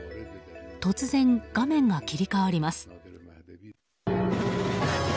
突然、画面が切り替わります。